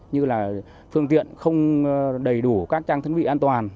như là phương tiện không đầy đủ các trang thức vị an toàn